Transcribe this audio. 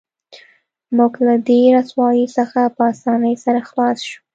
موږ له دې رسوایۍ څخه په اسانۍ سره خلاص شو